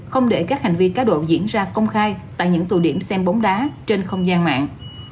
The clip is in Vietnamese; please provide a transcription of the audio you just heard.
không để các hành vi cá độ diễn ra công khai tại những tù điểm xem bóng đá trên không gian mạng